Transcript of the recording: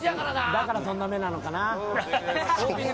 だからそんな目なのかな。